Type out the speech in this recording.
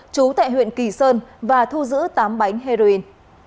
trú tại huyện kỳ sơn và thu giữ tám bánh heroin